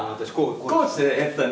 高地とやってたね。